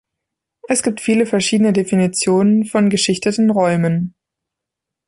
Es gibt viele verschiedene Definitionen von geschichteten Räumen.